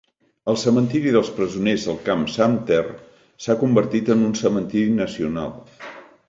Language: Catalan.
El cementiri dels presoners a Camp Sumter s'ha convertit en un cementiri nacional.